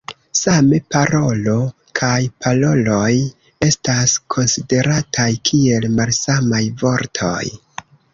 Same "parolo" kaj "paroloj" estas konsiderataj kiel malsamaj vortoj.